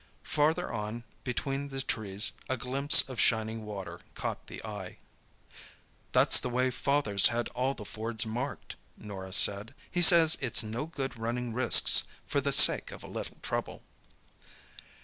Farther on, between the trees, a glimpse of shining water caught the eye. "That's the way father's had all the fords marked," Norah said. "He says it's no good running risks for the sake of a little trouble."